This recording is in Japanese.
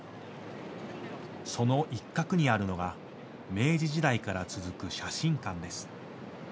その一角にあるのが明治時代から続く写真館です。